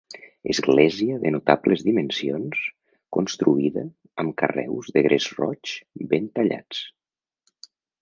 Església de notables dimensions, construïda amb carreus de gres roig ben tallats.